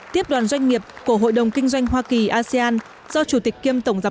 tiếp đoàn doanh nghiệp của hội đồng kinh doanh hoa kỳ asean do chủ tịch kiêm tổng giám